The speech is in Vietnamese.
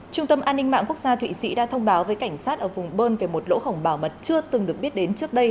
trung tâm an ninh mạng quốc gia thụy sĩ đã thông báo với cảnh sát ở vùng bơn về một lỗ hỏng bảo mật chưa từng được biết đến trước đây